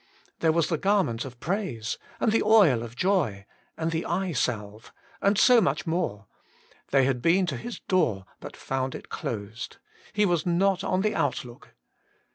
There was the garment of praise, and the oil of joy, and the eyesalve, and so much more ; they had been to his door, but found it closed ; he was not on the outlook.